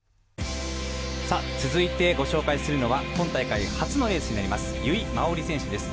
続いてご紹介するのは今大会初のレースになります由井真緒里選手です。